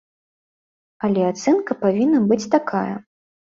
Але ацэнка павінна быць такая.